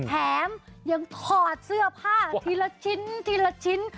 แถมยังถอดเสื้อผ้าทีละชิ้นทีละชิ้น